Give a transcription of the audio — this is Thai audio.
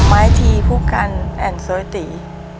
ไม้ทีผู้กันแอนด์โซยตี